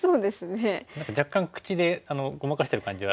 何か若干口でごまかしてる感じは。